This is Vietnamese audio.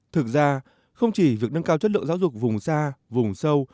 thực ra không chỉ việc nâng cao chất lượng giáo dục vùng xa vùng sâu